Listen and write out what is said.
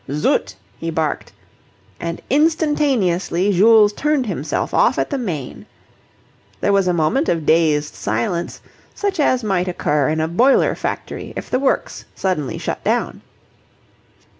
"Zut!" he barked, and instantaneously Jules turned himself off at the main. There was a moment of dazed silence, such as might occur in a boiler factory if the works suddenly shut down.